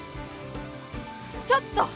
ちょっと！